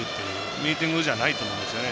ミーティングじゃないと思うんですよね